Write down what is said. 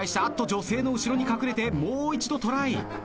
あっと女性の後ろに隠れてもう一度トライ。